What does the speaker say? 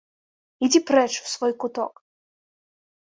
Ідзі прэч, у свой куток!